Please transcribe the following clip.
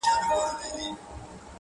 تا ويل له سره ماله تېره يم خو.